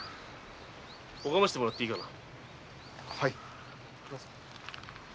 拝ませてもらっていいかな？